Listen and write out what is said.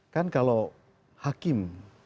kan kalau hakim